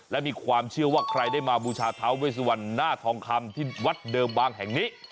และมีความเชื่อว่าใครได้มาบูชาท้าเวสวันหน้าทองคำที่วัดเดิมบางแห่งนี้